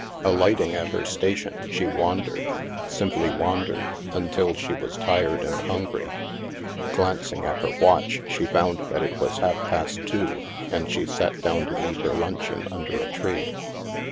AUghting at her station, she wandered — simply wandered — until she was tired and hungry. Glancing at her watch, she found that it was half past two, and she sat down to eat her luncheon under a tree.